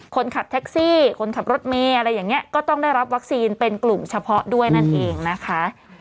คนขับแท็กซี่คนขับรถเมย์อะไรอย่างนี้ก็ต้องได้รับวัคซีนเป็นกลุ่มเฉพาะด้วยนั่นเองนะคะ